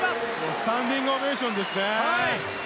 スタンディングオベーションですね。